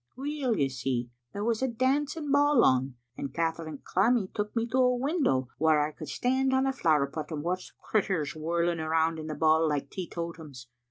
"Weel, you see, there was a dancing ball on, and Kaytherine Crummie took me to a window whaur I could stand on a flower pot and watch the critturs whirl ing round in the ball like teetotums.